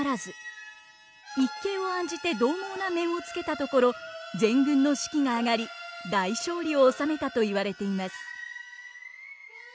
一計を案じて獰猛な面をつけたところ全軍の士気が上がり大勝利を収めたと言われています。